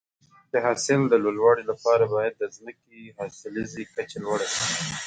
د حاصل د لوړوالي لپاره باید د ځمکې حاصلخیزي کچه لوړه شي.